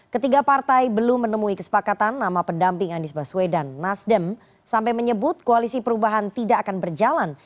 ketiga partai belum menemui kesepakatan nama pendamping anies baswedan nasdem sampai menyebut koalisi perubahan tidak akan berjalan